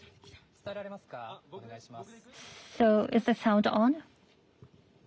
伝えられますか、お願いします。